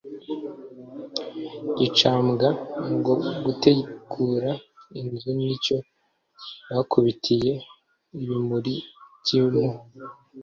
Gicambwa ngo gutegura inzu N icyo bakubitiye ibimuri by' impu,